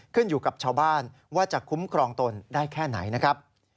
ขึ้นอยู่กับชาวบ้านว่าจะคุ้มครองตนได้แค่ไหนนะครับ